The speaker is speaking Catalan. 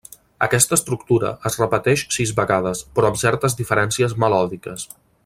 Aquesta estructura es repeteix sis vegades, però amb certes diferències melòdiques.